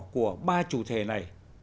của ba chủ thể này